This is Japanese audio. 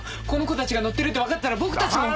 このコたちが乗ってるって分かったら僕たち。